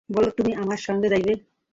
বলো, তুমি আমার সঙ্গে যাইবে?